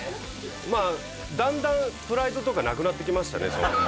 まあだんだんプライドとかなくなってきましたね